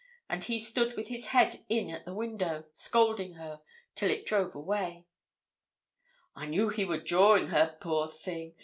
And he stood with his head in at the window, scolding her, till it drove away. 'I knew he wor jawing her, poor thing!